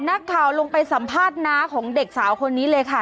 นักข่าวลงไปสัมภาษณ์น้าของเด็กสาวคนนี้เลยค่ะ